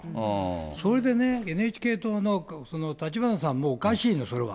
それでね、ＮＨＫ党の立花さんも、おかしいの、それは。